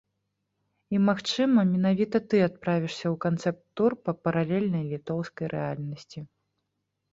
І, магчыма, менавіта ты адправішся ў канцэпт-тур па паралельнай літоўскай рэальнасці!